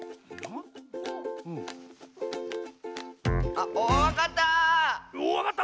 あっわかった！